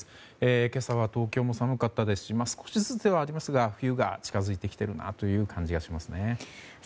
今朝は東京も寒かったですし少しずつですが冬が近づいてきているなという感じがしますね。